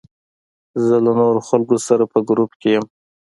زه له نورو خلکو سره په ګروپ کې یم.